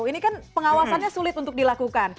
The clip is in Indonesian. ini kan pengawasannya sulit untuk dilakukan